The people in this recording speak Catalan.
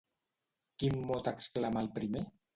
Quin mot exclama el primer?